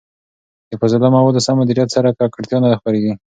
د فاضله موادو سم مديريت سره، ککړتيا نه خپرېږي.